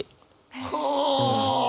はあ。